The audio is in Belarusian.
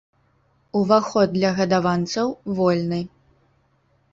Уваход для гадаванцаў вольны!